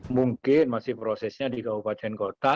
mungkin masih prosesnya di kabupaten kota